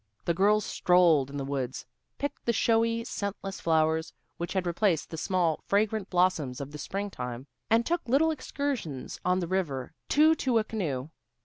The girls strolled in the woods, picked the showy, scentless flowers, which had replaced the small, fragrant blossoms of springtime, and took little excursions on the river, two to a canoe.